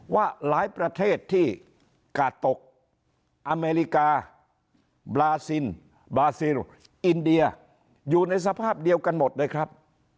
ว่าหลายประเทศที่กาดตกอเมริกาบราซินบราซิลอินเดียอยู่ในสภาพเดียวกันหมดเลยครับ